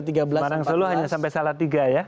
semarang solo hanya sampai salah tiga ya